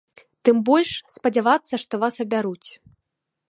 Тым больш, спадзявацца, што вас абяруць.